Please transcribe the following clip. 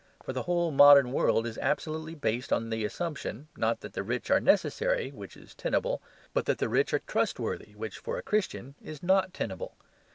For the whole modern world is absolutely based on the assumption, not that the rich are necessary (which is tenable), but that the rich are trustworthy, which (for a Christian) is not tenable.